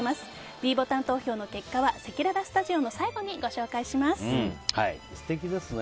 ｄボタン投票の結果はせきららスタジオの最後に素敵ですね。